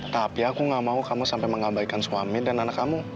tapi aku gak mau kamu sampai mengabaikan suami dan anak kamu